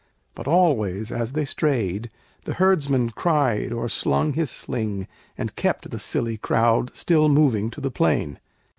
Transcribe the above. But always as they strayed The herdsman cried, or slung his sling, and kept The silly crowd still moving to the plain.